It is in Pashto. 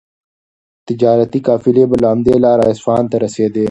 تجارتي قافلې به له همدې لارې اصفهان ته رسېدې.